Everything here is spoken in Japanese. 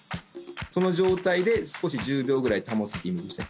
その状態で少し１０秒ぐらい保つってイメージですね